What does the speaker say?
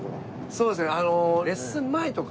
そうですね。